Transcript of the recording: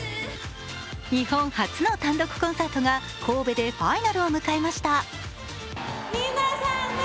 日本発の単独コンサートが神戸でファイナルを迎えました。